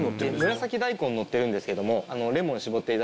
紫大根のってるんですけども。